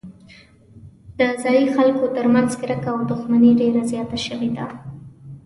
د ځايي خلکو ترمنځ کرکه او دښمني ډېره زیاته شوې ده.